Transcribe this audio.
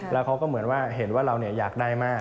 แล้วเขาก็เห็นว่าเราอยากได้มาก